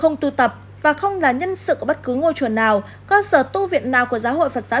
không tu tập và không là nhân sự ở bất cứ ngôi chùa nào cơ sở tu viện nào của giáo hội phật giáo